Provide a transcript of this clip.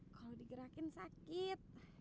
kalau digerakin sakit